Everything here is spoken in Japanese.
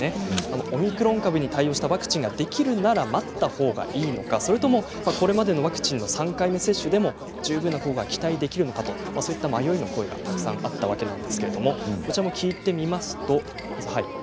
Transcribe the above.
オミクロン株に対応したワクチンができるなら待ったほうがいいのか、それともこれまでのワクチンの３回目接種でも十分な効果が期待できるのか迷いの声がたくさんあったわけです。